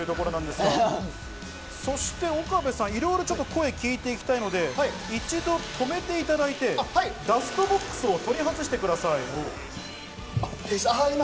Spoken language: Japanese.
岡部さん、いろいろ声を聞いていきたいので、一度止めていただいて、ダストボックスを取り外してください。